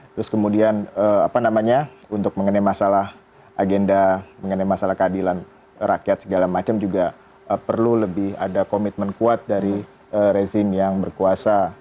terus kemudian apa namanya untuk mengenai masalah agenda mengenai masalah keadilan rakyat segala macam juga perlu lebih ada komitmen kuat dari rezim yang berkuasa